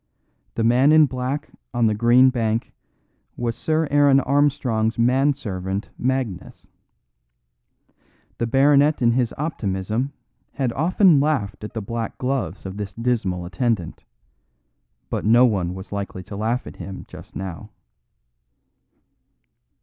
The man in black on the green bank was Sir Aaron Armstrong's man servant Magnus. The baronet in his optimism had often laughed at the black gloves of this dismal attendant; but no one was likely to laugh at him just now.